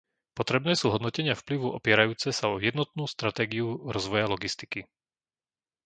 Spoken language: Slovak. Potrebné sú hodnotenia vplyvu opierajúce sa o jednotnú stratégiu rozvoja logistiky.